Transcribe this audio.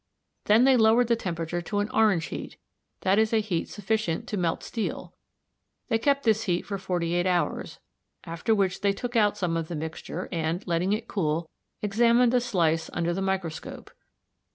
Then they lowered the temperature to an orange heat, that is a heat sufficient to melt steel. They kept this heat for forty eight hours, after which they took out some of the mixture and, letting it cool, examined a slice under the microscope.